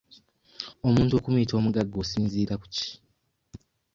Omuntu okumuyita omugagga osinziira ku ki?